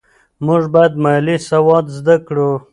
موږ باید مالي سواد زده کړو.